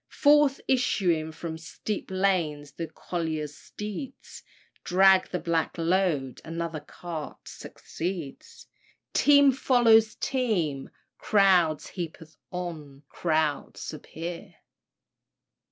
Forth issuing from steep lanes, the collier's steeds Drag the black load; another cart succeeds; Team follows team, crowds heap'd on crowds appear."